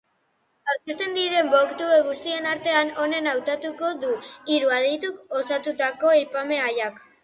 Aurkezten diren booktube guztien artean onena hautatuko du hiru adituk osatutako epaimahaiak.